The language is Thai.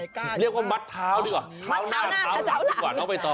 คือมัดเท้าดีกว่า